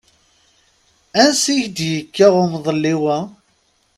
Ansi k-d-yekka umḍelliw-a?